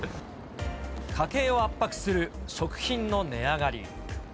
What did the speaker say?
家計を圧迫する食品の値上がり。